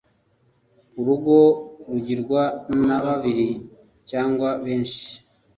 urugo rugirwa nababiri cyangwa benshi.